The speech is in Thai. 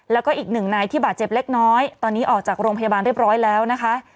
แล้วก็อีกหนึ่งนายที่บาดเจ็บเล็กน้อยตอนนี้ออกจากโรงพยาบาลเรียบร้อยแล้วนะคะ